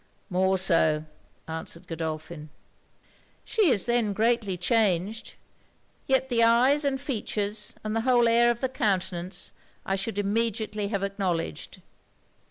'More so,' answered Godolphin. 'She is then greatly changed. Yet the eyes and features, and the whole air of the countenance, I should immediately have acknowledged.'